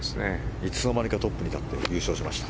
いつの間にかトップに立って優勝しました。